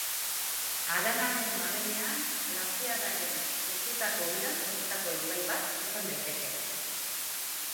Haranaren barrenean glaziarraren urtutako urak sortutako ibai bat izan daiteke.